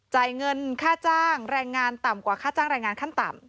จ่ายเงินค่าจ้างแรงงานต่ำกว่าค่าจ้างแรงงานขั้นต่ำ